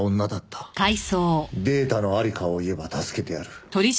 データのありかを言えば助けてやる。